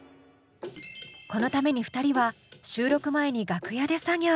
このために２人は収録前に楽屋で作業。